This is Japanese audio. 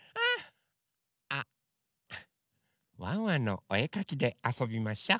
あ「ワンワンのおえかき」であそびましょ。